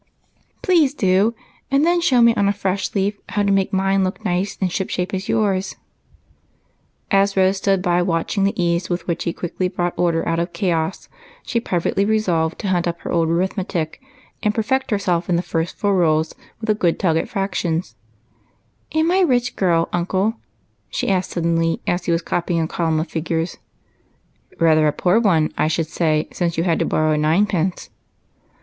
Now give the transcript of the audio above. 89 " Please do, and then show me on a fresh leaf how to make mine look nice and ship shape as yours do." As Rose stood by him watching the ease with which he quickly brought order out of chaos, she privately resolved to hunt up her old arithmetic and perfect herself in the first four rules, with a good tug at frac tions, before she read any more fairy tales. " Am I a rich girl^ uncle ?" she asked suddenly, as he was copying a column of figures. " Rather a poor one, I should say, since you had to borrow a ninepence."